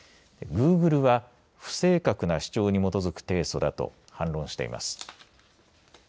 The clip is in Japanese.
グーグルは不正確な主張に基づく提訴だと反応しています。